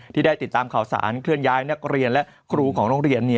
ที่ได้ติดตามข่าวสารเคลื่อนย้ายนักเรียนและครูของโรงเรียน